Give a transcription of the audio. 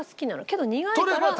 けど苦いから。